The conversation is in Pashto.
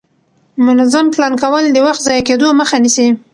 منظم پلان کول د وخت ضایع کېدو مخه نیسي